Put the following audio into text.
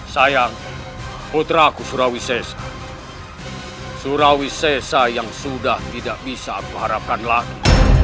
sayang putra aku surawi sesak surawi sesak yang sudah tidak bisa berharapkan lagi